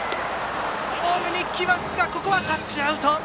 ホームに来ますがここはタッチアウト。